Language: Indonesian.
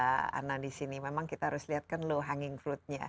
mbak anna di sini memang kita harus lihat kan low hanging fruitnya